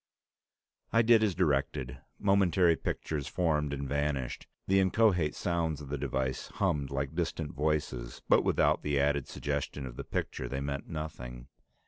I did as directed. Momentary pictures formed and vanished. The inchoate sounds of the device hummed like distant voices, but without the added suggestion of the picture, they meant nothing.